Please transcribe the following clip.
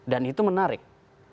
dan itu menarik